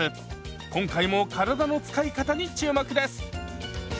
今回も体の使い方に注目です！